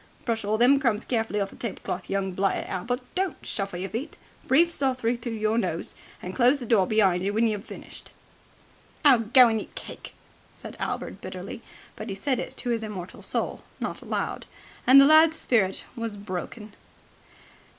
Brush all them crumbs carefully off the tablecloth, young blighted Albert don't shuffle your feet breathe softly through your nose and close the door be'ind you when you've finished!" "Oh, go and eat cake!" said Albert bitterly. But he said it to his immortal soul, not aloud. The lad's spirit was broken.